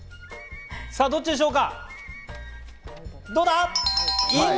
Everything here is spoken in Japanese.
さぁ、どっちでしょうか？